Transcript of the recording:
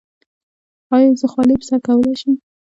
ایا زه خولۍ په سر کولی شم؟